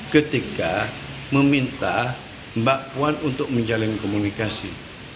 ketika meminta mbak puan untuk menjalin komunikasi